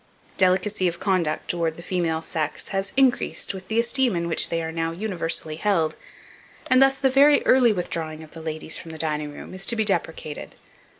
Delicacy of conduct towards the female sex has increased with the esteem in which they are now universally held, and thus, the very early withdrawing of the ladies from the dining room is to be deprecated.